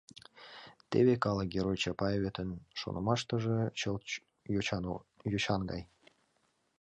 «Теве калык герой Чапаеветын шонымашыже чылт йочан гай!